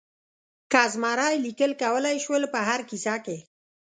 که زمری لیکل کولای شول په هره کیسه کې.